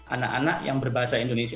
anak anak yang berbahasa indonesia